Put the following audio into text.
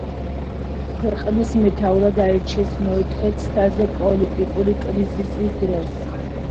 ქვეყნის მეთაურად აირჩიეს მეოთხე ცდაზე პოლიტიკური კრიზისის დროს.